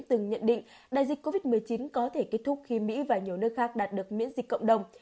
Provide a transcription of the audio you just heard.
từng nhận định đại dịch covid một mươi chín có thể kết thúc khi mỹ và nhiều nước khác đạt được miễn dịch cộng đồng